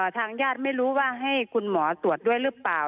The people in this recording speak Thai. ทางญาติไม่รู้ว่าให้คุณหมอตรวจด้วยหรือเปล่า